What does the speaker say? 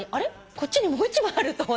こっちにもう一枚あると思って。